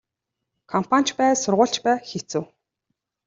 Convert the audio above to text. Компани ч бай сургууль ч бай хэцүү.